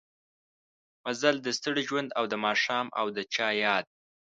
مزل د ستړي ژوند او دا ماښام او د چا ياد